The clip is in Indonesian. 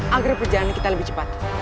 agar perjalanan kita lebih cepat